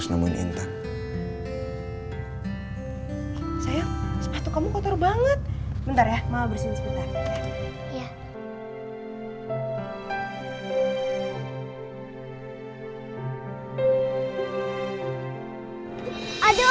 sayang sepatu kamu kotor banget bentar ya mau bersihin sebentar ya